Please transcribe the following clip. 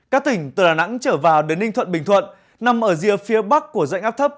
các tỉnh từ đà nẵng trở vào đến ninh thuận bình thuận nằm ở rìa phía bắc của dãy ngắp thấp